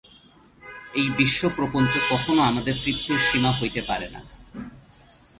এই বিশ্বপ্রপঞ্চ কখনও আমাদের তৃপ্তির সীমা হইতে পারে না।